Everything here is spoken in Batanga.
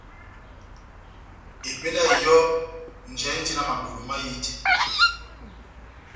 Ó epédi yá eyɔ́, njeyá inidini na mabɔ́dɔ mahiti.